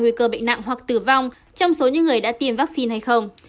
nguy cơ bệnh nặng hoặc tử vong trong số những người đã tiêm vaccine hay không